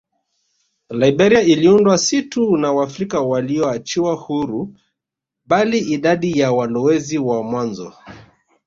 Liberia iliundwa si tu na Waafrika walioachiwa huru bali idadi ya walowezi wa mwanzo